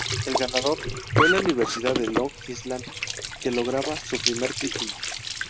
El ganador fue la Universidad de Long Island, que lograba su primer título.